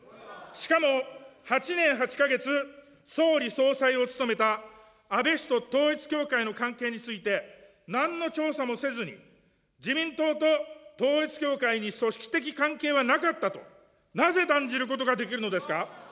しかも、８年８か月、総理総裁を務めた安倍氏と統一教会の関係について、なんの調査もせずに、自民党と統一教会に組織的関係はなかったと、なぜ断じることができるのですか。